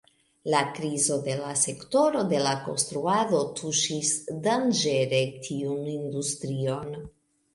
La krizo de la sektoro de la konstruado tuŝis danĝere tiun industrion.